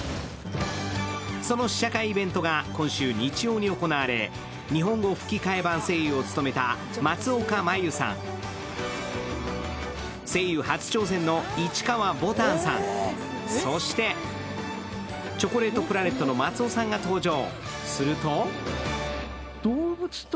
その試写会イベントが今週日曜に行われ日本語吹き替え版声優を務めた松岡茉優さん、声優初挑戦の市川ぼたんさん、そして、チョコレートプラネットの松尾さんが登場。